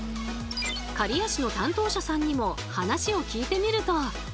刈谷市の担当者さんにも話を聞いてみると。